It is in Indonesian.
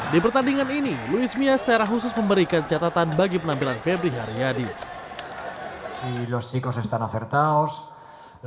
di pertandingan ini luis mia secara khusus memberikan catatan bagi penampilan febri haryadi